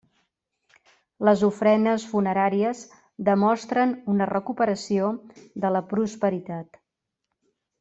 Les ofrenes funeràries demostren una recuperació de la prosperitat.